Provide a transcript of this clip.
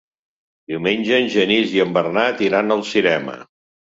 Diumenge en Genís i en Bernat iran al cinema.